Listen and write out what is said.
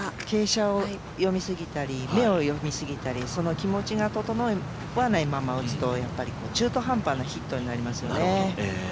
傾斜を読みすぎたり、目を読みすぎたり、その気持ちが整わないまま打つと中途半端なヒットになりますよね。